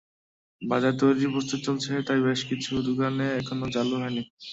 বাজার তৈরির প্রস্তুতি চলছে, তাই বেশ কিছু দোকান এখনো চালু হয়নি।